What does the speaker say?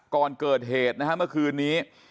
ก่อนเกิดเหตุนะฮะเมื่อคืนนี้